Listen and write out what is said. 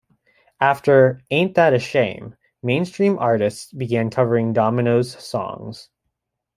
After "Ain't That a Shame", mainstream artists began covering Domino's songs.